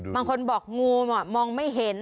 บางคนบอกงูมองไม่เห็น